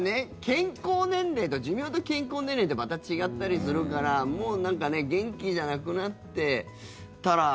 健康年齢と寿命と健康年齢ってまた違ったりするからもうなんか元気じゃなくなってたら。